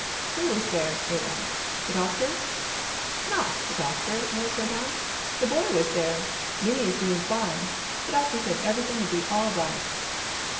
"Who was there?" Abe asked. "The doctor?" "Not the doctor," Morris went on. "The boy was there. Minnie is doing fine. The doctor said everything would be all right."